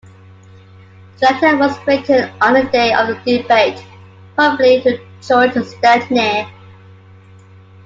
The letter was written on the day of the debate, probably to George Stepney.